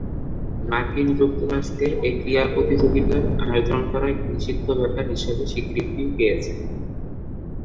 মার্কিন যুক্তরাষ্ট্রে এ ক্রীড়া প্রতিযোগিতার আয়োজন করা একটি নিষিদ্ধ ব্যাপার হিসেবে স্বীকৃতি পেয়েছে।